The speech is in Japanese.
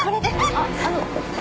あっあの。